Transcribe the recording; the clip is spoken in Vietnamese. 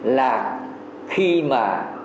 là khi mà